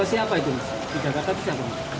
siapa itu di jakarta itu siapa